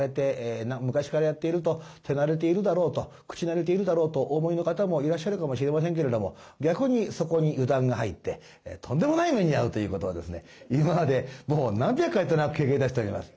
昔からやっていると手慣れているだろうと口慣れているだろうとお思いの方もいらっしゃるかもしれませんけれども逆にそこに油断が入ってとんでもない目に遭うということを今までもう何百回となく経験いたしております。